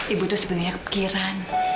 ibu tuh sebelumnya kepikiran